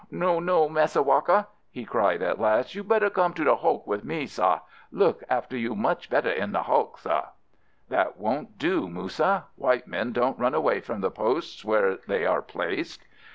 "No, no, Massa Walker," he cried, at last, "you better come to the hulk with me, sah. Look after you much better in the hulk, sah!" "That won't do, Moussa. White men don't run away from the posts where they are placed."